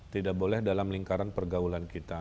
tidak boleh dalam lingkaran pergaulan kita